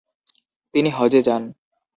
তিনি হজ্বে যান।